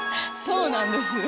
そうなんです。